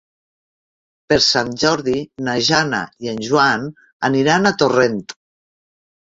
Per Sant Jordi na Jana i en Joan aniran a Torrent.